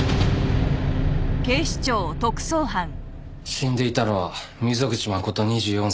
死んでいたのは溝口誠２４歳アルバイト。